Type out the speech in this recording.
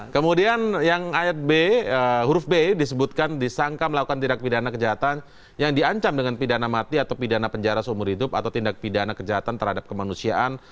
kemudian yang ayat b huruf b disebutkan disangka melakukan tindak pidana kejahatan yang diancam dengan pidana mati atau pidana penjara seumur hidup atau tindak pidana kejahatan terhadap kemanusiaan